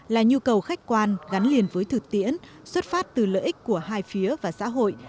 là nhu cầu khách quan gắn liền với thực tiễn xuất phát từ lợi ích của hai phía và xã hội